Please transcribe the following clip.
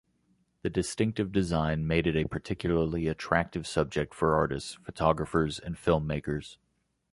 The distinctive design made it a particularly attractive subject for artists, photographers and film-makers.